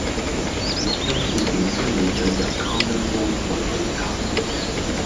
錄音片段先會進入 Common Voice 數據集